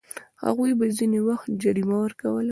هغوی به ځینې وخت جریمه ورکوله.